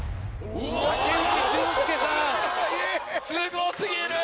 すご過ぎる！